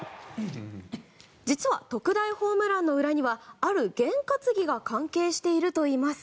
実は、特大ホームランの裏にはある験担ぎが関係しているといいます。